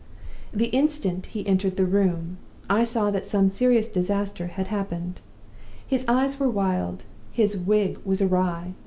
"The instant he entered the room, I saw that some serious disaster had happened. His eyes were wild, his wig was awry.